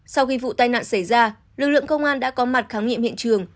sau khi vụ tai nạn xảy ra lực lượng công an đã có mặt khám nghiệm hiện trường